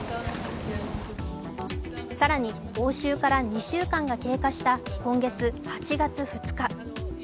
更に、押収から２週間が経過した今月、８月２日。